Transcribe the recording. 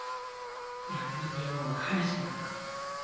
闇の帝王が話したのか？